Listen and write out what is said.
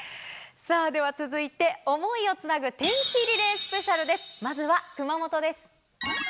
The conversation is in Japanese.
では続いて、想いをつなぐ天気リレースペシャルです。